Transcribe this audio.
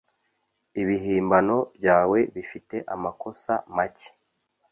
Ibihimbano byawe bifite amakosa make.